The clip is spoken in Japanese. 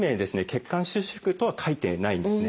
「血管収縮」とは書いてないんですね。